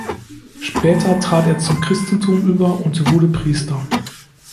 Später trat er zum Christentum über und wurde Priester.